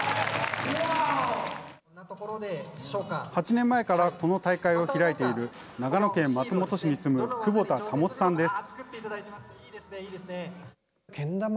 ８年前からこの大会を開いている、長野県松本市に住む窪田保さんです。